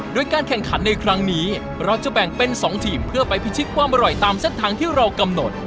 โดยการแข่งขันในครั้งนี้เราจะแบ่งเป็น๒ทีมเพื่อไปพิชิตความอร่อยตามเส้นทางที่เรากำหนด